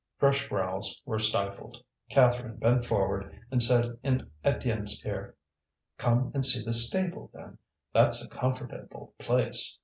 Fresh growls were stifled. Catherine bent forward and said in Étienne's ear: "Come and see the stable, then. That's a comfortable place!"